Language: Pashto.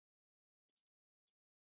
پوهه د درک رڼا زیاتوي.